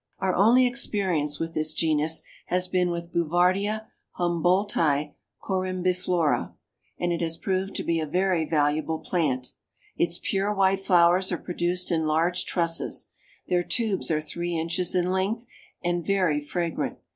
Our only experience with this genus has been with Bouvardia Humboldtii Corymbiflora, and it has proved to be a very valuable plant. Its pure white flowers are produced in large trusses; their tubes are three inches in length, and very fragrant.